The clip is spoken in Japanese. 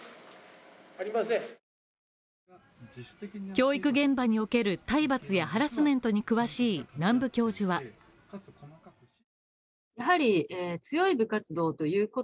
教育現場における体罰やハラスメントに詳しい南部教授は次です。